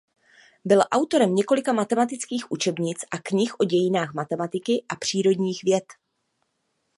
Byl autorem několika matematických učebnic a knih o dějinách matematiky a přírodních věd.